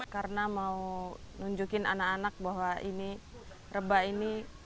karena mau nunjukin anak anak bahwa ini reba ini